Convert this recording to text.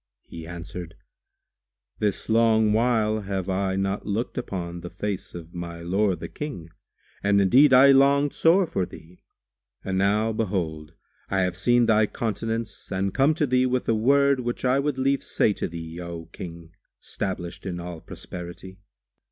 He answered, "This long while have I not looked upon the face of my lord the King and indeed I longed sore for thee; and now, behold, I have seen thy countenance and come to thee with a word which I would lief say to thee, O King stablished in all prosperity!"